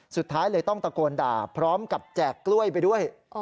สุดท้ายเลยต้องตะโกนด่าพร้อมกับแจกกล้วยไปด้วย